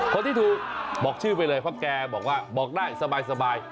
คนที่ถูกบอกชื่อไปเลยเพราะแกบอกว่าบอกได้สบาย